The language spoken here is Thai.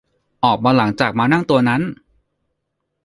ออกมาจากหลังม้านั่งตัวนั้น